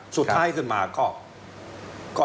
สุดท้ายขึ้นมาก็